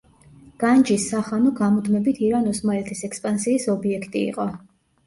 განჯის სახანო გამუდმებით ირან-ოსმალეთის ექსპანსიის ობიექტი იყო.